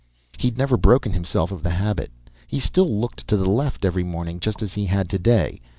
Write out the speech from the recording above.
He'd never broken himself of the habit. He still looked to the left every morning, just as he had today.